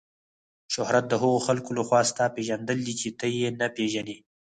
شهرت د هغو خلکو له خوا ستا پیژندل دي چې ته یې نه پیژنې.